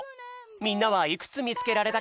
みんなはいくつみつけられたかな？